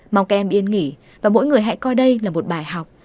mong các em yên nghỉ và mỗi người hãy coi đây là một bài học